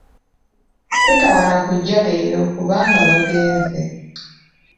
Totawaana kujja leero kubanga bagenze.